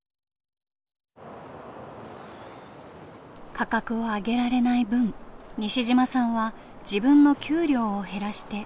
価格を上げられない分西嶋さんは自分の給料を減らしてやりくりしてきました。